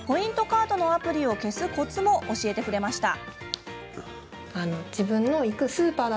カードのアプリを消すコツも教えてくれました。